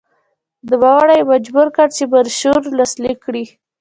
نوموړی یې مجبور کړ چې منشور لاسلیک کړي.